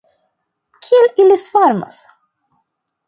Kiel ili svarmas!